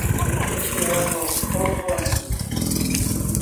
Cristiano Otoni